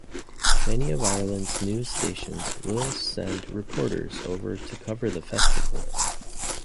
Many of Ireland's news stations will send reporters over to cover the festival.